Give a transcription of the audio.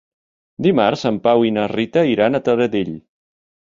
Dimarts en Pau i na Rita iran a Taradell.